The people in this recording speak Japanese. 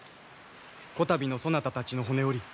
こたびのそなたたちの骨折り牛若